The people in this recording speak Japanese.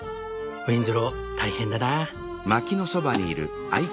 ウィンズロー大変だな。